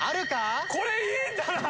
これいいんじゃない？